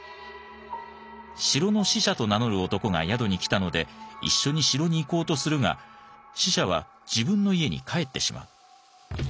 城の使者と名乗る男が宿に来たので一緒に城に行こうとするが使者は自分の家に帰ってしまう。